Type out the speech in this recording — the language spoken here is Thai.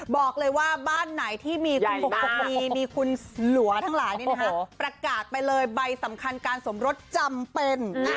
บอกเลยว่าบ้านไหนที่มีคุณบงคณีมีคุณหลัวทั้งหลายประกาศไปเลยใบสำคัญการสมรสจำเป็น